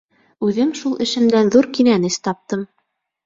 Үҙем шул эшемдән ҙур кинәнес таптым.